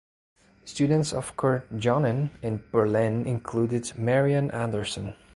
Students of Kurt Johnen in Berlin included Marian Anderson.